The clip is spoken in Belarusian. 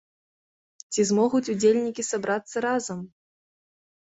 Ці змогуць удзельнікі сабрацца разам?